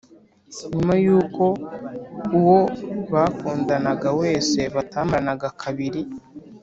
nyuma y’uko uwo bakundanaga wese batamaranaga kabiri,